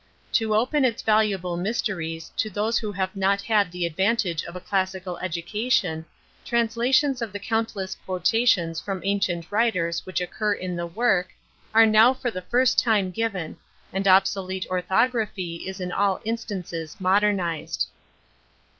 To open its valuable mysteries to those who have not had the advantage of a classical education, translations of the countless quotations from ancient writers which occur in the work, are now for the first time given, and obsolete orthography is in all instances modernized.